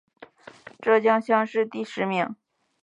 浙江乡试第十名。